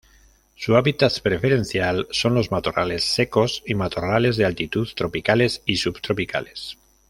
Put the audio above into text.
Su hábitat preferencial son los matorrales secos y matorrales de altitud tropicales y subtropicales.